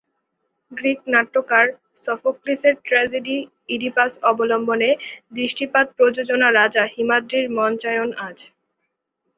Greek নাট্যকার সফোক্লিসের tragedy Oedipus অবলম্বনে দৃষ্টিপাত প্রযোজনা রাজা হিমাদ্রির মঞ্চায়ন আজ।